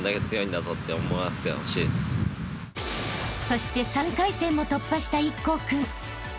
［そして３回戦も突破した壱孔君］